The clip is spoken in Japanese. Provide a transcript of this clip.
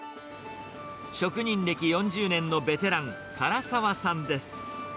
職人歴４０年のベテラン、唐澤さんです。